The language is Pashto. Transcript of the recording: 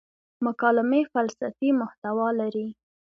مکالمې فلسفي محتوا لري.